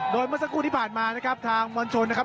โดยเมื่อสักครู่ที่ผ่านมานะครับทางมวลชนนะครับ